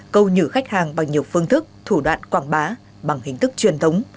câu nhử khách hàng bằng nhiều phương thức thủ đoạn quảng bá bằng hình thức truyền thống